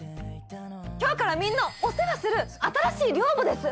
今日からみんなをお世話する新しい寮母です